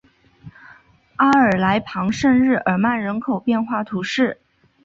阿尔来旁圣日耳曼人口变化图示